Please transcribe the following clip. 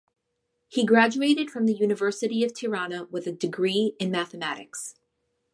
He graduated from the University of Tirana with a degree in Mathematics.